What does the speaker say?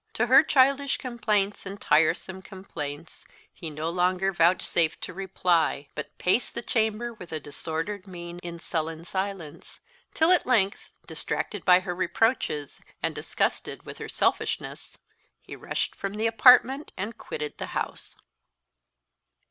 To her childish complaints, and tiresome complaints, he no longer vouchsafed to reply, but paced the chamber with a disordered mien, in sullen silence; till at length, distracted by her reproaches, and disgusted with her selfishness, he rushed from the apartment and quitted the house.